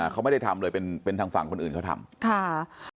เขาไม่ได้ทำเลยเป็นทางฝั่งคนอื่นเขาทำ